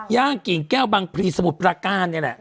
ย่างกิ่งแก้วบางพลีสมุทรประการนี่แหละ